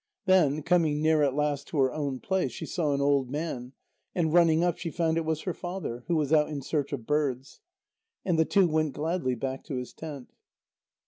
Then, coming near at last to her own place, she saw an old man, and running up, she found it was her father, who was out in search of birds. And the two went gladly back to his tent.